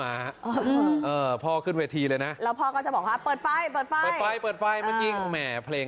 อ่าพ่อขึ้นเวทีเลยนะก็จะบอกว่าเพิ่มไฟและแหม่เพลง